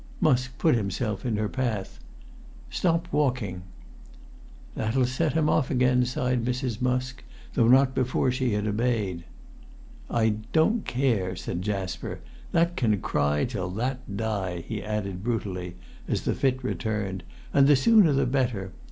Musk put himself in her path. "Stop walking!" "That'll set him off again," sighed Mrs. Musk, though not before she had obeyed. "I don't care," said Jasper. "That can cry till that die," he added brutally, as the fit returned; "and the sooner the better.